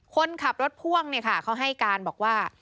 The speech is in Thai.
คนขับรถพ่วงเขาให้การบอกว่า